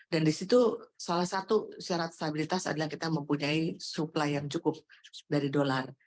dan di situ salah satu syarat stabilitas adalah kita mempunyai supply yang cukup dari dolar